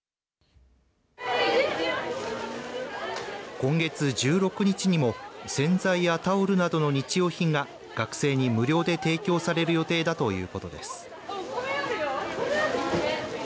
今月１６日にも洗剤やタオルなどの日用品が学生に無料で提供される予定だということです。